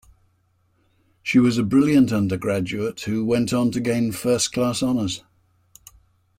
She was a brilliant undergraduate who went on to gain first class honours